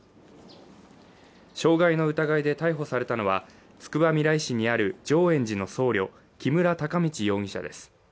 傷害の疑いで逮捕されたのは、つくばみらい市にある浄円寺の僧侶、木村孝道容疑者です。